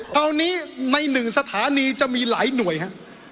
ตอนนี้ในหนึ่งสถานีจะมีหลายหน่วยครับ